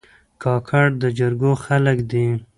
کاکړ د جرګو خلک دي.